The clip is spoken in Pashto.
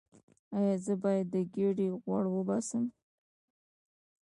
ایا زه باید د ګیډې غوړ وباسم؟